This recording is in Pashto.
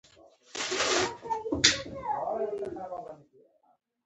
دا د پټی سر دی.